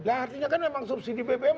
lah artinya kan memang subsidi bbm